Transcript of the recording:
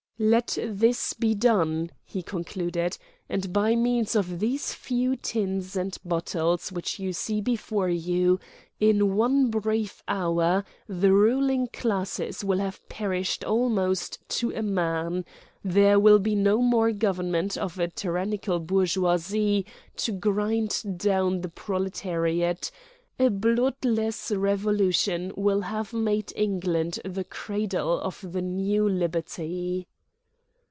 "Let this be done," he concluded, "and by means of these few tins and bottles which you see before you, in one brief hour the ruling classes will have perished almost to a man, there will be no more government of a tyrannical bourgeoisie to grind down the proletariat, a bloodless revolution will have made England the cradle of the new liberty!"